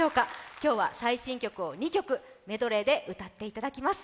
今日は最新曲を２曲メドレーで歌っていただきます。